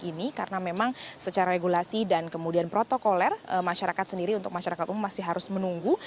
dan ini karena memang secara regulasi dan kemudian protokoler masyarakat sendiri untuk masyarakat umum masih harus menunggu